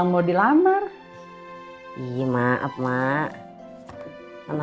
kau mau dineritim sayang